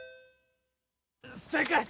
正解。